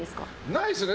ないですよね。